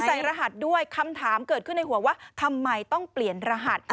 รหัสด้วยคำถามเกิดขึ้นในหัวว่าทำไมต้องเปลี่ยนรหัส